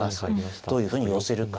どういうふうに寄せるか。